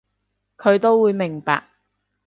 佢都會明白